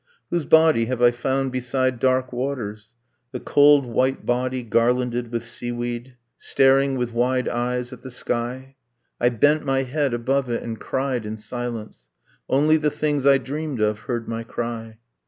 Whose body have I found beside dark waters, The cold white body, garlanded with sea weed? Staring with wide eyes at the sky? I bent my head above it, and cried in silence. Only the things I dreamed of heard my cry.